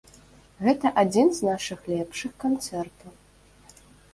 Гэта адзін з нашых лепшых канцэртаў.